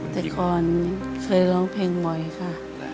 แต่ก่อนเคยร้องเพลงบ่อยค่ะ